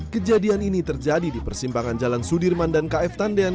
kejadian ini terjadi di persimpangan jalan sudirman dan kf tandean